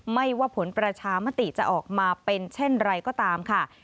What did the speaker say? ไม่ว่าผลประชามติจะออกมาเป็นเช่นไรก็ตามค่ะ